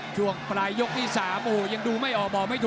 ช่วงปลายยกที่๓โอ้โหยังดูไม่ออกบอกไม่ถูก